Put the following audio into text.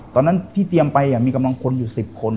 ตอนนั้นที่เตรียมไปมีกำลังคนอยู่๑๐คน